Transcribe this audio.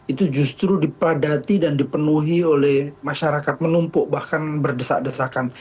itu justru dipadati dan dipenuhi oleh masyarakat menumpuk bahkan berdesak desakan